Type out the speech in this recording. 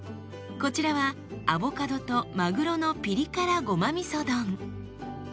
こちらはアボカドとまぐろのピリ辛ごまみそ丼。